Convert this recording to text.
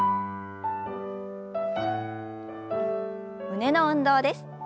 胸の運動です。